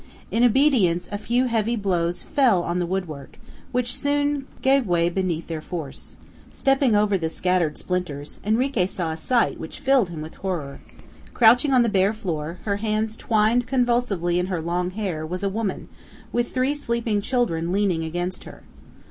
In obedience a few heavy blows fell on the woodwork, which soon gave way beneath their force. Stepping over the scattered splinters, Henrique saw a sight which filled him with horror. Crouching on the bare floor, her hands twined convulsively in her long hair, was a woman, with three sleeping children leaning against her.